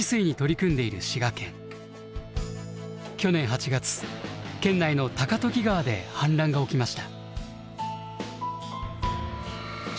去年８月県内の高時川で氾濫が起きました。